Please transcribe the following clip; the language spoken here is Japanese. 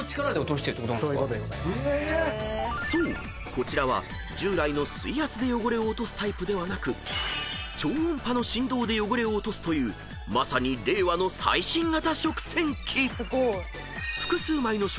こちらは従来の水圧で汚れを落とすタイプではなく超音波の振動で汚れを落とすというまさに令和の最新型食洗機］